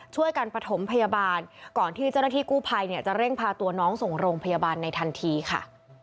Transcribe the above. ช่วยกันประถมพยาบาลก่อนที่เจ้าหน้าที่กู้ภัยเนี่ยจะเร่งพาตัวน้องส่งโรงพยาบาลในทันทีค่ะ